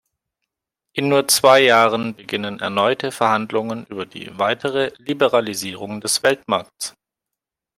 In nur zwei Jahren beginnen erneute Verhandlungen über die weitere Liberalisierung des Weltmarkts.